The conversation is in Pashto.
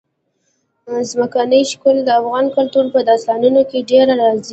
ځمکنی شکل د افغان کلتور په داستانونو کې ډېره راځي.